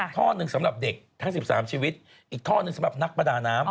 ท่อหนึ่งสำหรับเด็กทั้ง๑๓ชีวิตอีกท่อหนึ่งสำหรับนักประดาน้ำ